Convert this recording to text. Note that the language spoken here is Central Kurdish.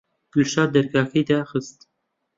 دڵشاد دەرگاکەی داخست.